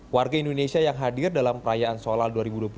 warga indonesia yang hadir dalam perayaan solal dua ribu dua puluh tiga